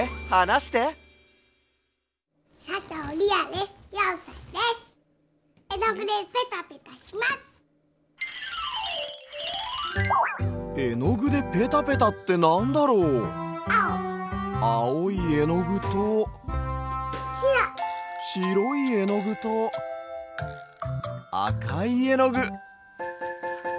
しろいえのぐとあかいえのぐ。